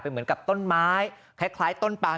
เหมือนกับต้นไม้คล้ายต้นปาง